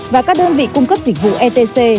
và các đơn vị cung cấp dịch vụ etc